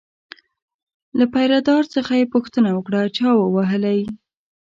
له پیره دار څخه یې پوښتنه وکړه چا ووهلی.